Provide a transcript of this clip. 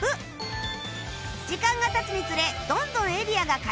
時間が経つにつれどんどんエリアが開放